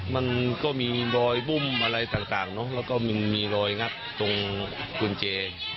มันก็มีรอยบุ้มอะไรต่างเนอะแล้วก็มันมีรอยงัดตรงกุญแจ